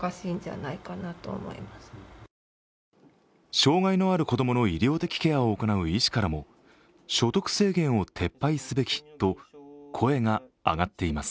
障害のある子供の医療的ケアを行う医師からも所得制限を撤廃すべきと声が上がっています。